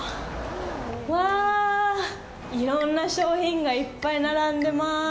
わあ、いろんな商品がいっぱい並んでます。